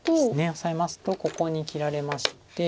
オサえますとここに切られまして。